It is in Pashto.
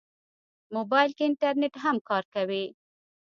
موبایل کې انټرنیټ هم کار کوي.